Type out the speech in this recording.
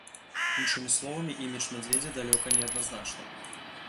Іншымі словамі, імідж мядзведзя далёка не адназначны.